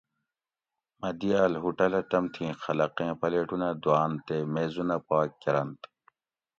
مہ دیال ہوٹلہ تمتھی خلقیں پلیٹونہ دوآۤن تے میزونہ پاک کۤرنت